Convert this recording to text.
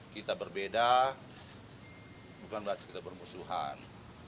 kita berbeda bukan berarti kita bermusuhan